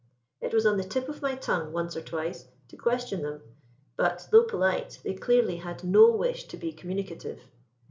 It was on the tip of my tongue, once or twice, to question them; but, though polite, they clearly had no wish to be communicative.